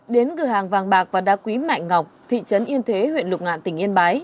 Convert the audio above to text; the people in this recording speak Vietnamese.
đến cửa hàng vàng bạc và đá quý mạnh ngọc thị trấn yên thế huyện lục ngạn tỉnh yên bái